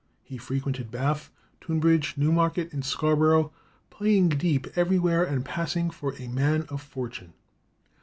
He frequented Bath, Tunbridge, Newmarket, and Scarbro', playing deep everywhere and passing for a man of fortune.